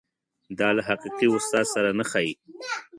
دا له حقیقي استاد سره نه ښايي.